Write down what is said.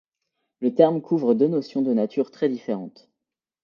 Le terme couvre deux notions de natures très différentes.